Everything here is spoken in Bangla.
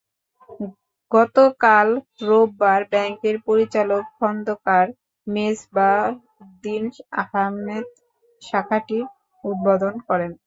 গতকাল রোববার ব্যাংকের পরিচালক খন্দকার মেসবাহ উদ্দিন আহমেদ শাখাটির উদ্বোধন করেন।